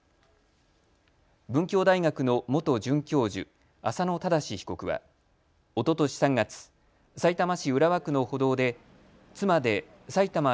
文教大学の元准教授、浅野正被告はおととし３月、さいたま市浦和区の歩道で妻でさいたま